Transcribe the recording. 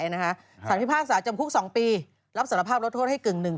สาหรันจึงพิพากษาจำคุก๒ปีรับสรรพาพลดโทษให้กึ่ง๑